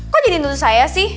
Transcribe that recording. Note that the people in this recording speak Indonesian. kok jadi nutus saya sih